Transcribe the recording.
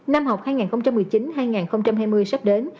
năm học hai nghìn một mươi chín hai nghìn hai mươi sắp đến